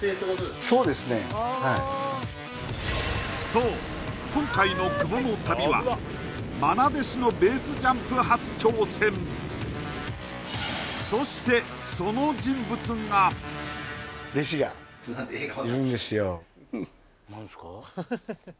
そうですねはいそう今回の久保の旅は愛弟子のベースジャンプ初挑戦そして弟子がいるんですよ